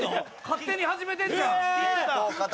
・勝手に始めてんじゃん。